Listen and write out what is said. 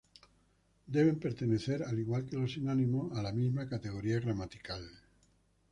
Deben pertenecer, al igual que los sinónimos, a la misma categoría gramatical.